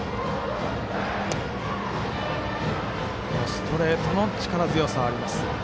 ストレートの力強さがあります。